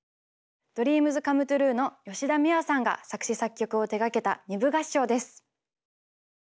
ＤＲＥＡＭＳＣＯＭＥＴＲＵＥの吉田美和さんが作詞・作曲を手がけた二部合唱です。